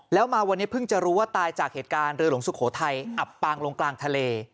แล้วมาวันนี้เพิ่งจะรู้ว่าตายจากเหตุการณ์เรือหลวงสุโขทัยอับปางลงกลางทะเล